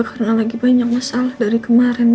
karena lagi banyak masalah dari kemarin